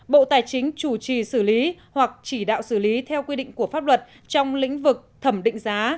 bộ tài chính chủ trì xử lý hoặc chỉ đạo xử lý theo quy định của pháp luật trong lĩnh vực thẩm định giá